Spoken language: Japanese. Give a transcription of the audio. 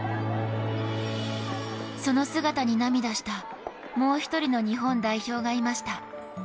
その姿に涙したもう一人の日本代表がいました。